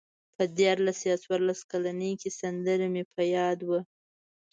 په دیارلس یا څوارلس کلنۍ کې سندره مې په یاد وه.